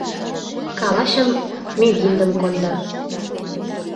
Калачым, мӱгиндым конда.